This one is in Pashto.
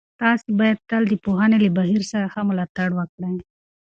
تاسو باید تل د پوهنې له بهیر څخه ملاتړ وکړئ.